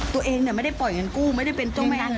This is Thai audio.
ตัวเองไม่ได้ปล่อยเงินกู้ไม่ได้เป็นจ้องแม่งเงินกู้